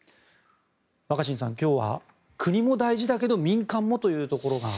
若新さん、今日は国も大事だけど民間もというところが。